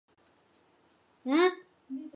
讳一武。